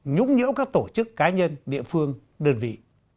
nhũng nhũ các tổ chức cá nhân địa phương đơn vị